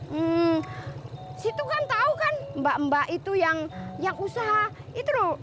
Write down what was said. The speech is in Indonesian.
hmm situ kan tahu kan mbak mbak itu yang usaha itu loh